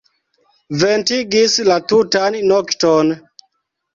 Ventegis la tutan nokton.